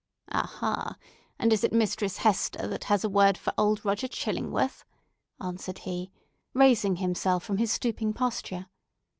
"Aha! and is it Mistress Hester that has a word for old Roger Chillingworth?" answered he, raising himself from his stooping posture.